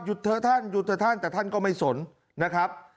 เถอะท่านหยุดเถอะท่านแต่ท่านก็ไม่สนนะครับ